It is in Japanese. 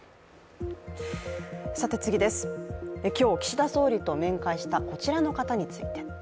今日、岸田総理と面会したこちらの方について。